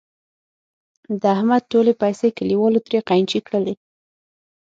د احمد ټولې پیسې کلیوالو ترې قېنچي کړلې.